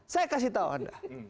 saya kasih tahu anda